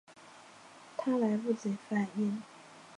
她来不及反应